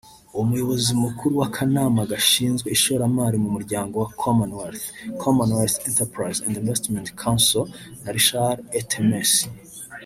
Umuyobozi Mukuru w’Akanama Gashizwe Ishoramari mu Muryango wa Commonwealth “Commonwealth Enterprise and Investment Council” na Richard Etemesi